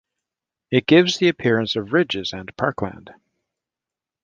It gives the appearance of ridges and parkland.